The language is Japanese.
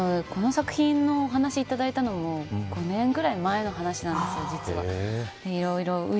この作品のお話をいただいたのも５年ぐらい前の話なんです実は。